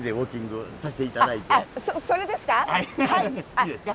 いいですか？